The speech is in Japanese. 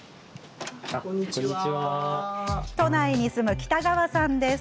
都内に住む北川さんです。